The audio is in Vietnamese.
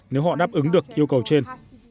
nếu họ đáp ứng được yêu cầu trên